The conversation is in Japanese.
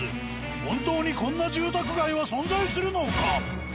本当にこんな住宅街は存在するのか？